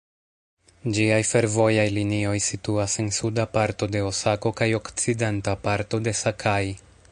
Ĝiaj fervojaj linioj situas en suda parto de Osako kaj okcidenta parto de Sakai.